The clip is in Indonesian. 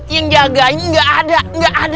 yang jagain nggak ada nggak ada